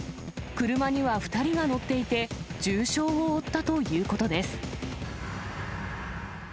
車には２人が乗っていて、重傷を負ったということです。